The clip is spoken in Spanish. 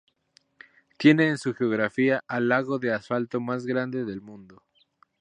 Tiene en su geografía al lago de asfalto más grande del mundo.